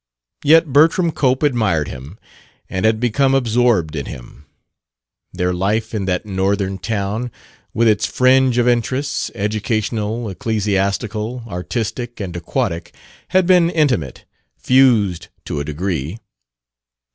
Yet Bertram Cope admired him and had become absorbed in him. Their life in that northern town, with its fringe of interests educational, ecclesiastical, artistic and aquatic had been intimate, fused to a degree.